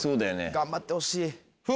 頑張ってほしい。